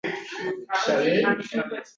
Ham bolg’adan zarba yeydi, ham sandondan.